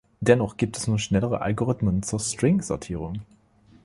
Dennoch gibt es nun schnellere Algorithmen zur String-Sortierung.